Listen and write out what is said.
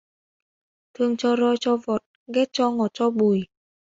Thương cho roi cho vọt, ghét cho ngọt cho bùi